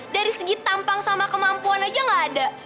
dari segi tampang sama kemampuan aja gak ada